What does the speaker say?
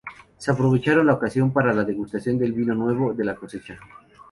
Se aprovecha la ocasión para la degustación del vino nuevo de la cosecha.